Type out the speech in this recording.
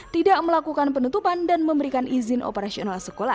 tidak melakukan penutupan dan memberikan izin operasional sekolah